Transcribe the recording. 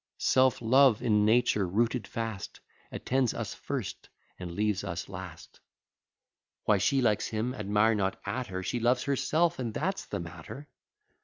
Self love, in nature rooted fast, Attends us first, and leaves us last; Why she likes him, admire not at her; She loves herself, and that's the matter.